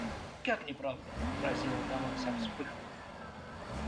– Как неправда! – возразила дама, вся вспыхнув.